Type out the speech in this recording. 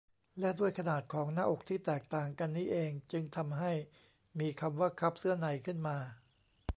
และด้วยขนาดของหน้าอกที่แตกต่างกันนี้เองจึงทำให้มีคำว่า คัพเสื้อใน ขึ้นมา